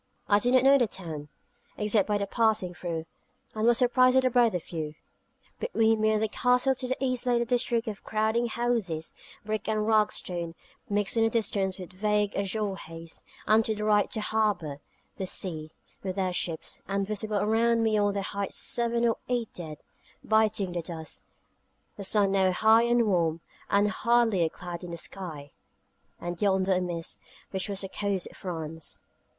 I did not know the town, except by passings through, and was surprised at the breadth of view. Between me and the Castle to the east lay the district of crowding houses, brick and ragstone, mixed in the distance with vague azure haze; and to the right the harbour, the sea, with their ships; and visible around me on the heights seven or eight dead, biting the dust; the sun now high and warm, with hardly a cloud in the sky; and yonder a mist, which was the coast of France.